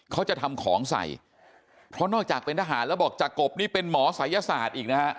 เขาจะทำของใส่เพราะนอกจากเป็นทหารแล้วบอกจากกบนี่เป็นหมอศัยศาสตร์อีกนะฮะ